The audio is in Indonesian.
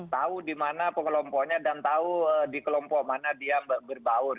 tahu di mana pekelompoknya dan tahu di kelompok mana dia berbaur